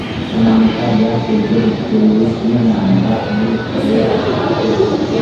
kumanuka byateje isuri yinyanja muri koreya yaruguru